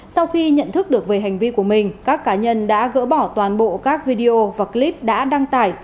sau khi nhận thức được về hành vi của mình các cá nhân đã gỡ bỏ toàn bộ các video và clip đã đăng tải